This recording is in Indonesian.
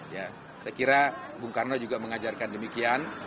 ya saya kira bung karno juga mengajarkan demikian